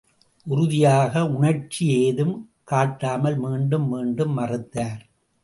உறுதியாக உணர்ச்சி ஏதும் காட்டாமல் மீண்டும் மீண்டும் மறுத்தார்.